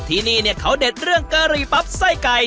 ที่นี่เขาเด็ดเรื่องเกอรี่ปั๊บไส้ไก่